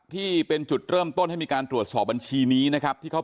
ที่เป็นจุดเริ่มต้นให้มีการตรวจสอบบัญชีนี้นะครับที่เขา